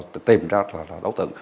để tìm ra đấu tượng